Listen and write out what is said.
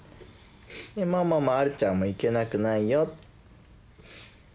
ママもあるちゃんもいけなくないよ。